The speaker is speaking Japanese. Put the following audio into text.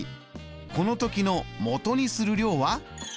この時のもとにする量は？